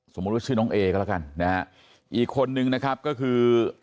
ว่าชื่อน้องเอก็แล้วกันนะฮะอีกคนนึงนะครับก็คือ